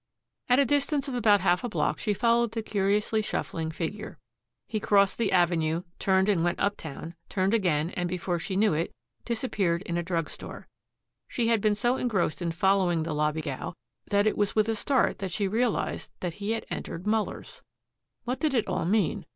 At a distance of about half a block she followed the curiously shuffling figure. He crossed the avenue, turned and went uptown, turned again, and, before she knew it, disappeared in a drug store. She had been so engrossed in following the lobbygow that it was with a start that she realized that he had entered Muller's. What did it all mean?